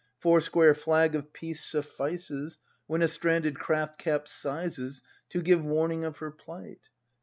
^ Four square flag of peace suffices. When a stranded craft capsizes. To give warning of her plight!